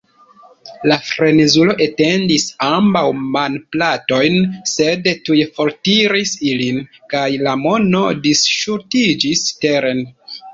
La frenezulo etendis ambaŭ manplatojn, sed tuj fortiris ilin, kaj la mono disŝutiĝis teren.